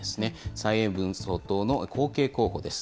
蔡英文総統の後継候補です。